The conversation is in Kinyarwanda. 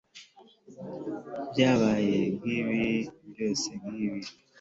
Byabaye nkibi byosehbhb